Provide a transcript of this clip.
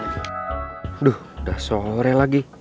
aduh udah sore lagi